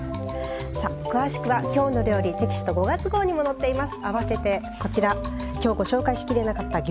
詳しくは「きょうの料理」テキスト５月号に載っております。